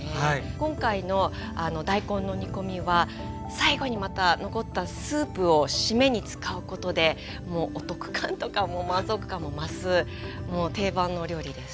今回の大根の煮込みは最後にまた残ったスープを締めに使うことでお得感とかも満足感も増すもう定番のお料理です。